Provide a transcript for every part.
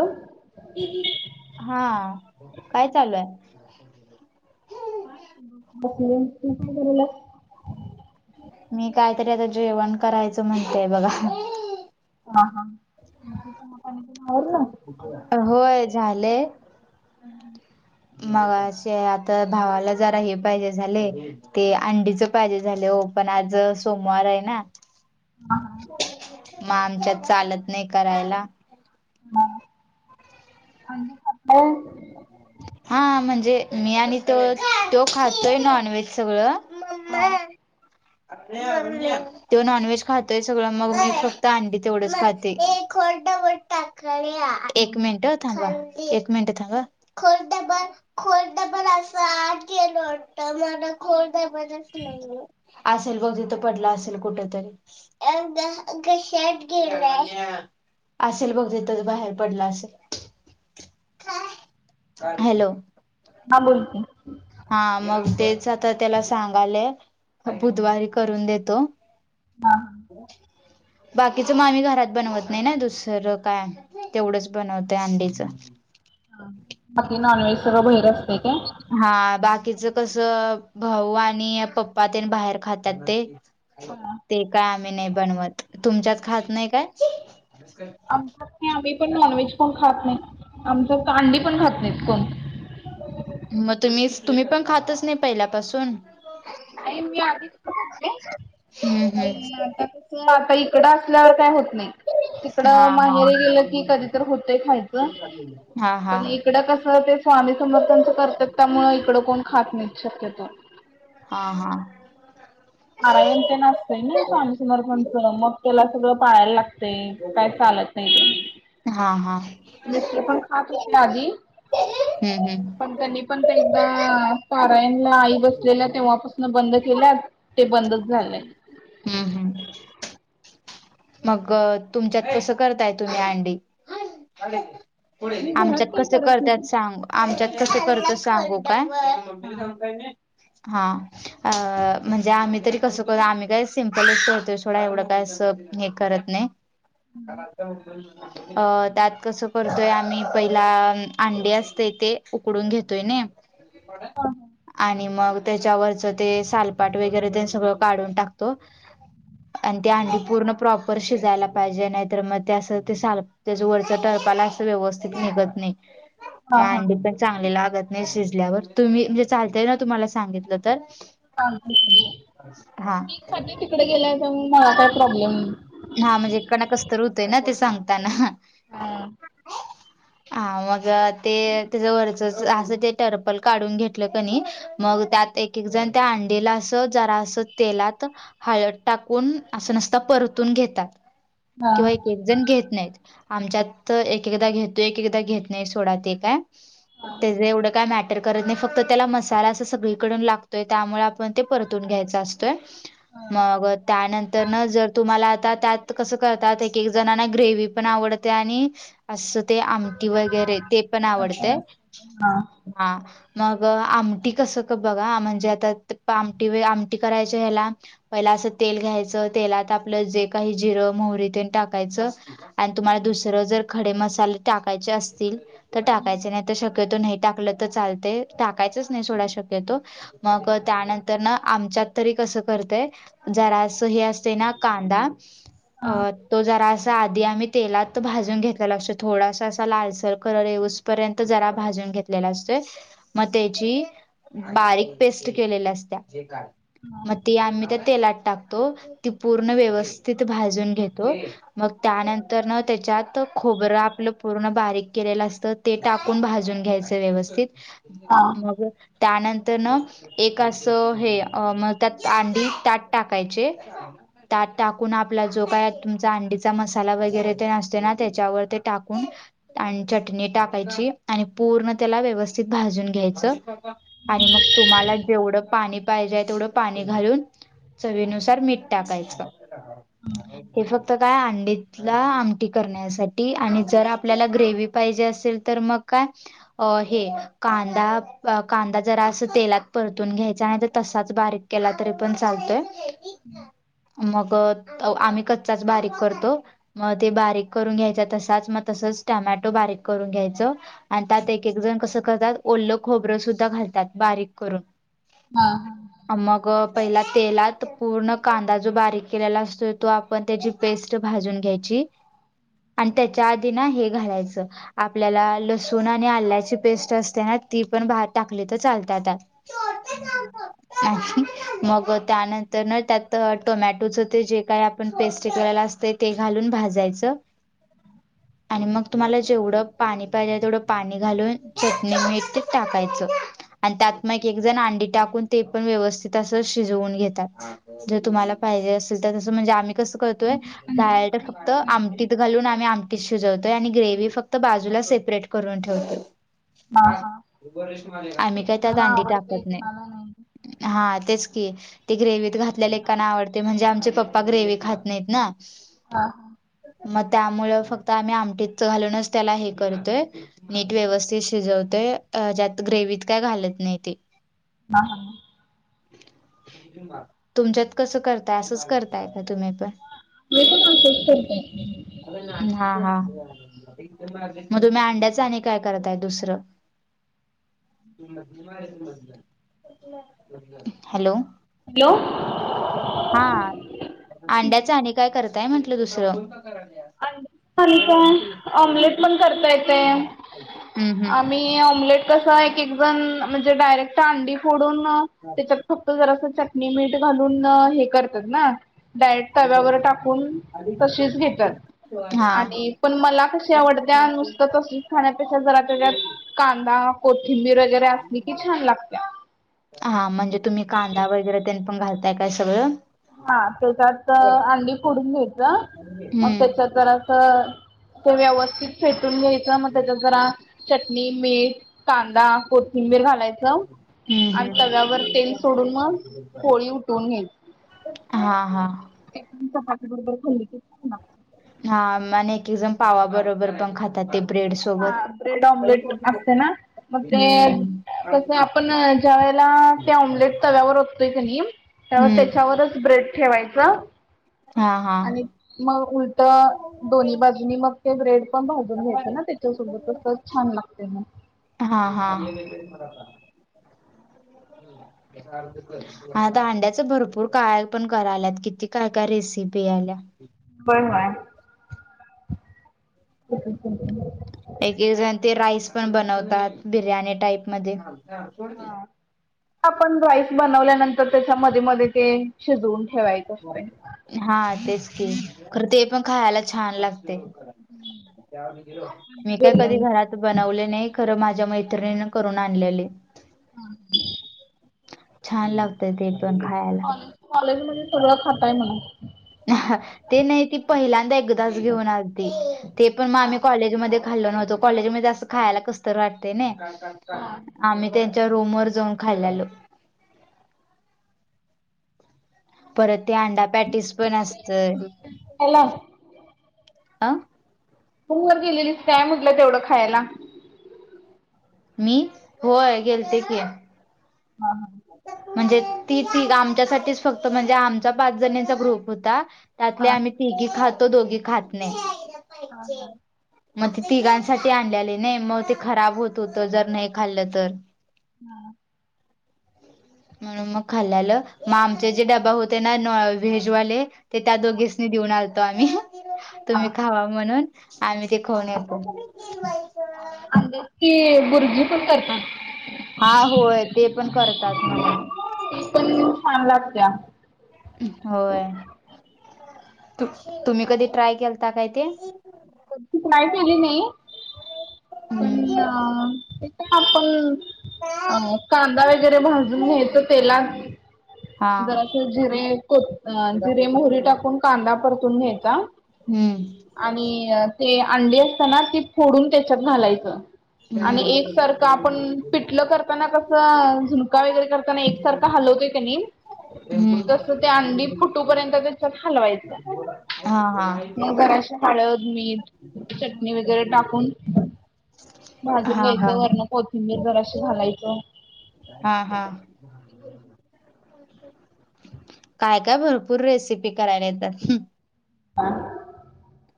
न ह हा काय चालूय बस त काय करू ला मी कायतरी आता जेवण करायचं म्हणतेय बघा हा हाग आपण ना होय झालंय मग असे आता भावाला जरा हे पाहिजे झाले ते अंडीच पाहिजे झाले हो पण आज सोमवार आहे ना हा हा मग आमच्यात चालत नाही करायला ह हांज ख हा म्हणजे मी आणि तो तो खातोय नॉनव्हेज सगळं हा अ तो नॉनव्हेज खातोय सगळं मग मी फक्त अंडी तेवढंच खाते ळी एक मिनट होतांग एक मिनिटांग खोर्ट बण खोर्ट बण अस आठ गेलो मला खोल दजच नाही असेल बघ तिथं पडलं असेल कुठ तरी अ शट गला असेल बघ तथच बाहेर पडलं असेल हॅलो हां बोलते हा मग तेच आता त्याला सांगाले बुधवारी करून देतो ह हो बाकीच मामी घरात बनवत नाही ना दुसरं काय तेवढंच बनवतंय अंडीचं बाकी नॉनव्हेज सर्व बैर असते का हा बाकीचं कसं भाऊ आणि पप्पा त्यां बाहेर खातात ते हा. ते काय आम्ही नाही बनवत तुमच्यात खात नाही काय आम नाही आम्ही पण नॉनव्हेज कोण खात नाही आमच कांडी पण खात नाहीत कोण मग तुम्ही तुम्ही पण खातच नाही पहिल्यापासून नाही मी आधीचत हम्म पण हम्म आता म आता इकडं असल्यावर काय होत नाही तिकड हा हा माहेर गेलं की कधी तर होतय खायचं हा पण हा इकडं कस ते स्वामी समर्थनचं करतात त्यामुळे इकडं कोण खात नाही शक्यत हा हा मरायं ते नसते ना स्वामीसमर पणच मग त्याला सगळं पाळायला लागत ते काय चालत नाही हा हा हा तु्ही दुसर पण खात होते आधी हम्म पण हम्म त्यांनी पण एकदा पारायणला आई बसलेल्या तेव्हापासून बंद केल्यात ते बंदच झालंय हम्म हम्म मग तुमच्यात कसं करताय तुम्ही अंडी मी घरात आमच्यात काही कस करत नाही. करतत सांगू आमच्यात कस करत सांगू हा काय हा अ म्हणजे आम्ही तरी कसं करत आम्ही काय सिम्पलतो ोडा एवढं काय असं हे करत नाही अ त्यात कसं करतोय आम्ही पहिला अंडे असते ते उकडून घेतोय न ड ह हा आणि मग त्याच्यावरच ते सालपाट वगैरे ते सगळं काढून टाकतो आणि त्या अंडी पूर्ण प्रॉपर शिजायला पाहिजे नाहीतर मग ते असं ते साल त्याच वरचां टळपायला असं व्यवस्थित निघत नाही हा हा माज प चांगले लागत नाही शिजल्यावर तुम्ही म्हणजे चालतय ना तुम्हाला सांगितलं तर ां मी हा ख तिकडे गेल्याय तर मग मला काय प्रॉब्लेम हा म्हणजेकणा कस तर र होतय ना ते सांगताना हा [unintelligible] हा मग ते त्याच वरच असं ते टर्पल काढून घेतलं कनी मग त्यात एक एक जण त्या अंडीला असं जरा असं तेलात हळ टाकून असं नसत परतून घेतात हा किंवा एक जण घेत नाहीत आमच्यात एक एकदा घेतो एक एकदा घेत नाही सोड ते काय हा. त्या एवढं काय मॅटर करत नाही फक्त त्याला मसाला अस सगळीकडून लागतोय त्यामुळे परून घ्याय असतय हा. त्यार मला आ त्यात कस करतात एक -एक जणना ग्रेव्ही पण आवडते आणि - परून घ्याय हा असतय हा हा त्यार मग आमटी कसं बघा म्हणजे आता आमटी आमटी करायच्या ह्याला- पहिला असं तेल घ्यायचं तेलात आप - आप जे काही जिरं मोहरी टाकायचं आणि तुम्हाला दुसरं जर - खडे मसाले टाकायचे असतील तर टाकायचे नाही. शक्यतो नाही टाकलं तर चालत टाकायचंच नाही सोडा शक्यतो. मग त्यानंतर ना आमच्यात तरी कसं करतय जरा असं हे असते ना! कांदा तो जरा- आधी आम्ही तेलात भाजून घेतलेला असो थोडासा असा लालसर कलर येऊसपर्यंत जरा भाजून घेत. कापलेलला असतोय - मग त्याची बारीक पेस्ट केलेल्या असत्या हा मग ती आम्ही त्या तेलात टाकतो ती पूर्ण व्यवस्थित भाजून घेतो मग त्यानंतर त्याच्यात खोबरं आपलं पूर्ण बारीक केलेलं असतं ते टाकून भाजून घ्यायचं व्यवस्थित हा मग त्यानंतर न एक असं हे म त्यात आंधी ताट टाकायचे त्यात टाकून आपला जो काय तुमचा अंडीचा मसाला वगैरे ते नसते ना त्याच्यावर ते टाकून आणि चटणी टाकायची आणि पूर्ण त्याला व्यवस्थित भाजून घ्यायचं [inaudible] आणि मग तुम्हाला जेवढं पाणी पाहिजे तेवढं पाणी घालून चवीनुसार मीठ टाकायचं. हे फक्त काय अंडीतला आमटी करण्यासाठी आणि जर आपल्याला ग्रेव्ही पाहिजे असेल! तर मग काय - अ हे कांदा कांदा जरा अस तेलात परतून घ्यायचा नाही तर तसाच बारीक - केला तरी पण चालतोय. मग आम्ही कच्चाच बारीक करतो. मग ते बारीक करून घ्यायच तसाच मग तसच टमॅटो बारीक करून घ्यायचं! आणि त्यात एक एक जण कसं करतात ओलं खोबरं सुद्धा घालतात बारीक करून! हा [inaudible] मग [unintelligible] पहिला तेलात पूर्ण कांदा जो बारीक केलेला असतो तो आपण त्याची पेस्ट भाजून घ्यायची! आणि त्याच्या आधी ना हे घालायचं. आपल्याला लसूण आणि आल्याची पेस्ट असते ना ती पण भ टाकली तर चालत्या त्यात - [unintelligible] आणि मग त्यानंतर न त्यात! तर टोमॅटोचं ते जे काय [unintelligible] आपण पेस्ट करायला असते ते घालून भाजायचं! [inaudible] आणि मग तुम्हाला जेवढं पाणी पाहिजे तेवढं पाणी घालून [unintelligible] चटणी मिते टाकायचं. आणि त्यात मग एक जण अंडी टाकून ते पण व्यवस्थित असं शिजवून घेतात. जर तुम्हाला पाहिजे असेल तर तसं म्हणजे आम्ही कसं करतोय डायरेक्ट - फक्त आमटीत घालून आम्ही आमटीत शिजवतोय आणि ग्रेव्ही फक्त बाजूला सेपरेट करून ठेवतो. [inaudible] हां -हां आम्ही काही त्यात अंडी टाकत नाही. हा तेच की ते गग्रेव्हीत घाल- आपल्या लेकांना आवडते म्हणजे आमचे पप्पा ग्रेव्ही खात नाहीत ना! हा- हा मग त्यामुळ फक्त आम्ही आमटीतच घालूनच त्याला हे करतोय. नीट व्यवस्थित शिजवते ज्यात ग्रेव्ही त काय घालत नाही ते! हा- हा [unintelligible] तुमच्यात कसं करताय असंच करताय का तुम्ही पण! मी पण असेच करतय. [unintelligible] हां- हां मग तुम्ही अंड्याच आणि काय करताय दुसरं! हॅलो हॅलो हा अंड्याच आणि काय करतय म्हंटलं दुसरं, आणि का ऑमलेट पण करता येते हम्म आम्ही, कस एक एकण म्हणजे डायरेक्ट अंडी फोडून त्याच्या, फक्त जरा असं चटणी मीठ घालून हे करतात ना. डायरेट तव्यावरर टाकून तशीच घेतात. हम्म हा आणि पण मला कशी आवड द्या नुसतं तसं खाण्यापेक्षा जराात. कांदा कोथिंबीर वगैरे असली की छान लागते. हा म्हणजे तुम्ही कांदा वगैरे त्यांनी पण घालताय काय सगळं. हा त्याच्यात अंडी फोडून घ्यायचं, मग हम्म त्याच्यात जरासं ते व्यवस्थित फेटून घ्यायच, म त्याच्यात जरा चटणी, मीठ, कांदा, कोथिंबीर घालायचं. च हम्म आणि तव्यावर तेल हम्म सोडून मग, पोळी उठवून घ्यायची. हां -हां चपाती बरोबर खाल्ली खाल्ला - हा आणि एक एक जण पावा बरोबर पण खातात ते ब्रेड- हा सोबत ब्रेड ऑमलेट असते ना मग ते हम्म तस आपण ज्या वेळेला, ते ऑमलेट तव्यावर ओतोय कनी, त्या हम्म त्याच्यावरच ब्रेड ठेवायचा. हा हा आणि मग उलट, दोन्ही बाजूननी मग, हे ब्रेड पण भाजून घेयच ना, त्याच्यासोबतच, त छान लागते मग, हा हा. आता अंड्याच भरपूर काय पण करायल्यात, किती काय काय रेसिपी यायल्या. होय होय. हम हम [inaudible] एक एक जण ते राईस पण बनवतात, बिर्याणी टाईप मध्ये. हा. आपण राईस बनवल्यानंतर, त्याच्या मध्ये मध्ये ते, शिजवून ठेवायचे. हा तेच की, खर ते पण खायला छान लागते. मी काय कधी बिर्याणी घरात बनव नाही, खर माझ्या मैत्रिणीने करून आणलेली. ह. छान लागतय, ते पण खायला. कॉलेज कॉलेजमध्ये सगळं खाताय म्हणा. ते नाही, ती पहिल्यांदा एक पहिल्यांदाच घेऊन आलती, ते पण हा. आम्ही कॉलेज खाल्लो न्हवतो, कॉलेज मध्ये अस खायला कसतर वाटते ने हा. आम्ही, ते रूम वर जाऊन खायलालो. परत ते अंडा पॅटीस पण असत, हॅलो. अ. रुमवर गेलेलीस काय म्हटलं, तेवढं खायला. मी, होय गेलते की. ह ह. म्हणजे ती तीघ आमच्यासाठीच फक्त, म्हणजे आमचा पाच जणीचा ग्रुप होता. हा त्यातले आम्ही तिघी खातो, दोघी खात हा नाही. हा म ते तिघांसाठी आणलेले नाही, मग ते खराब होत होत, जर नाही खाल्लं तर. हा. म्हणून मग खाल्लेल, म आमचे जे डबा होते ना व्हेज वाले, ते त्या हा दोघीसनी, देऊन आलतो आम्ही. हा हा तुम्ही खावा म्हणून, आम्ही ते खाऊन येतो. अंड्याची भुर्जी पण करतात. हा होय, ते पण करतात म्हणे. ती पण, छान लागतेया. होय, त तुम्ही कधी ट्राय केलता काय ते. ट्राय केली नाही. पण, हम्म ते काय आपण, अ, कांदा वगैरे भाजून घ्यायच तेलात. हा जरास जिरे, को जिरे, मोहरी टाकून, कांदा परतून घ्यायचा. हम्म. आणि ते अंडी असताना, ती फोडून त्याच्यात घालायचं. आणि एकसारखं, आपण पिटलं करताना कसं, झुणका वगैरे करताना एकसारखं हलवतो, कणी. हम्म तस ते अंडी फुटू पर्यंत, त्याच्यात हलवायचं. हा हा हळद, मीठ, चटणी वगैरे टाकून. भाजून हा हा घ्यायचं, वरण कोथिंबीर जराशी घालायचं. हा हा. काय काय भरपूर रेसिपी करायला येतात. [inaudible]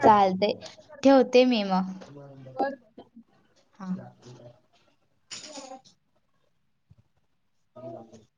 प्रॅक्टिस चालते कसं करताय? ठेवते मी मग. बर हा. ह [unintelligible]